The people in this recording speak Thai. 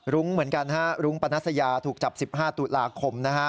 รุ้งเหมือนกันฮะรุ้งปนัสยาถูกจับ๑๕ตุลาคมนะฮะ